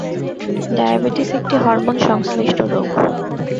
Diabetes একটি hormone সংশ্লিষ্ট রোগ।